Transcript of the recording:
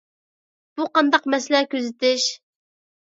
بۇ قانداق مەسىلە كۆزىتىش؟